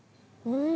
うん！